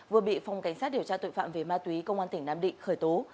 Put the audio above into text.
vừa bị phòng cảnh sát điều tra tội phạm về ma túy công an tỉnh nam định khởi tố